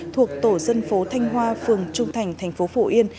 thuộc tổ dân phố thanh hoa phường trung thành thành phố phổ yên